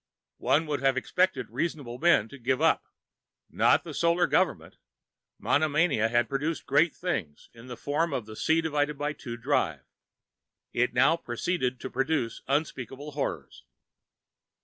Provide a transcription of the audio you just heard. One would have expected reasonable men to have given up. Not the Solar Government. Monomania had produced Great Things, in the form of a c/2 drive. It now proceeded to produce Unspeakable Horrors.